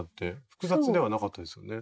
複雑ではなかったですよね。